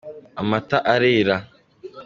amata arera.